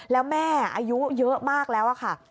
แล้วแม่อายุเยอะมากแล้วค่ะ